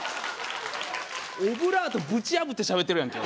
オブラートぶち破ってしゃべってるやんけ